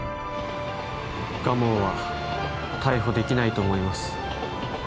蒲生は逮捕できないと思います